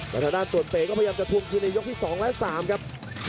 กระทะด้านตรวจเป๋ก็พยายามจะทุ่มทีในยกที่๒และ๓ครับ